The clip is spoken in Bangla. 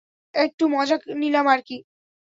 একটু মজা নিলাম আরকি!